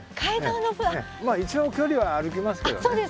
一応距離は歩きますけどね。